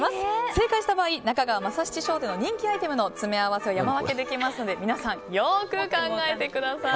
正解した場合、中川政七商店の人気アイテムの詰め合わせを山分けできますので皆さん、よく考えてください。